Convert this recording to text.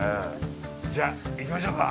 じゃあ、行きましょうか。